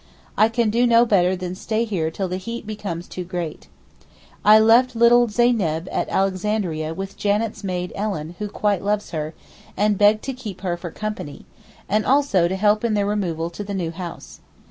I can do no better than stay here till the heat becomes too great. I left little Zeyneb at Alexandria with Janet's maid Ellen who quite loves her, and begged to keep her 'for company,' and also to help in their removal to the new house.